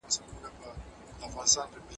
ګل پر څانګه غوړېدلی باغ سمسور سو